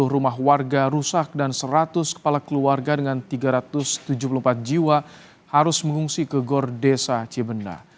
sepuluh rumah warga rusak dan seratus kepala keluarga dengan tiga ratus tujuh puluh empat jiwa harus mengungsi ke gor desa cibenda